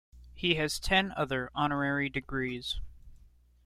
He has ten other honorary degrees.